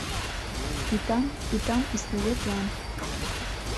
І там, і там існуе план.